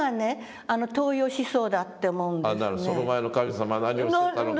その前の神様は何をしてたのかと。